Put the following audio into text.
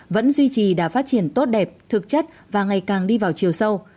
vẫn duy trì đã phát triển tốt đẹp thực chất và ngày càng đi vào chiều sâu